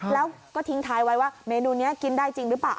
แล้วก็ทิ้งท้ายไว้ว่าเมนูนี้กินได้จริงหรือเปล่า